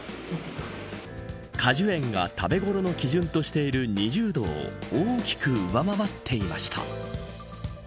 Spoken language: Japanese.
果樹園が食べ頃の基準としている２０度を大きく上回っていました。